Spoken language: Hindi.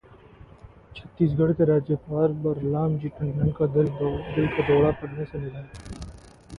छत्तीसगढ़ के राज्यपाल बलराम जी टंडन का दिल का दौरा पड़ने से निधन